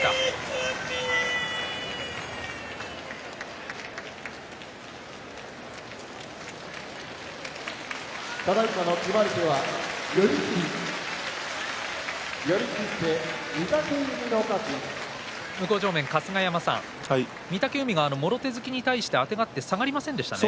拍手向正面、春日山さん御嶽海はもろ手突きに対してあてがって下がりませんでしたね。